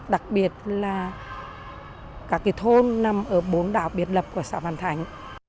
đặc biệt là các thôn nằm ở bốn đảo biệt lập của xã hoàn thành